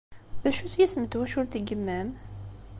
D acu-t yisem n twacult n yemma-m?